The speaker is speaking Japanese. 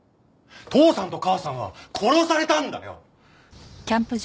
父さんと母さんは殺されたんだよ！